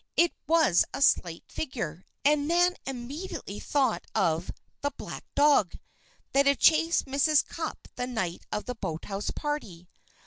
It was a slight figure, and Nan immediately thought of "the black dog" that had chased Mrs. Cupp the night of the boathouse party.